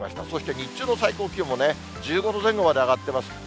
そして日中の最高気温も１５度前後まで上がってます。